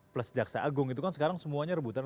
plus jaksa agung itu kan sekarang semuanya rebutan